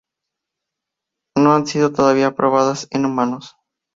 No han sido todavía probadas en humanos.